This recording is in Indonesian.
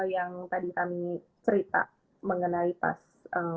yang tadi kami cerita mengenai pas